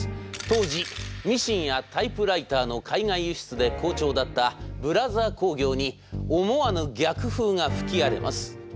当時ミシンやタイプライターの海外輸出で好調だったブラザー工業に思わぬ逆風が吹き荒れます。